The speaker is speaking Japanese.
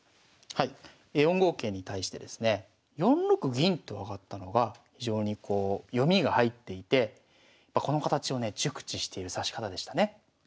４五桂に対してですね４六銀と上がったのが非常にこう読みが入っていてこの形をね熟知している指し方でしたね。